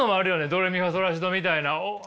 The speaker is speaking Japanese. ドレミファソラシドみたいなあの。